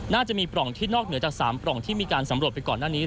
น่าจะมีปล่องที่นอกเหนือจาก๓ปล่องที่มีการสำรวจไปก่อนหน้านี้